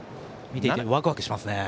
見ていてワクワクしますね。